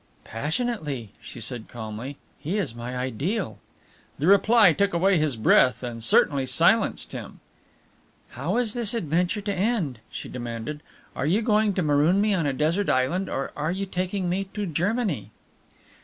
"Passionately," she said calmly, "he is my ideal." The reply took away his breath and certainly silenced him. "How is this adventure to end?" she demanded. "Are you going to maroon me on a desert island, or are you taking me to Germany?"